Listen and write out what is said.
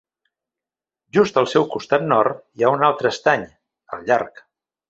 Just al seu costat nord hi ha un altre estany, el Llarg.